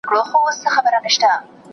هغه وويل چي کالي پاک دي؟!